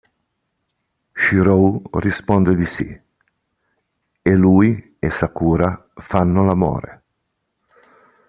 Shirou risponde di sì, e lui e Sakura fanno l'amore.